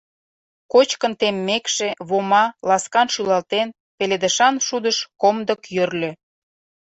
Кочкын теммекше, Вома, ласкан шӱлалтен, пеледышан шудыш комдык йӧрльӧ.